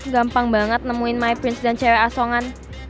gampang banget nemuin my prince dan cewek asongan